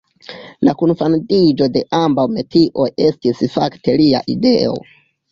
La kunfandiĝo de ambaŭ metioj estis fakte lia ideo.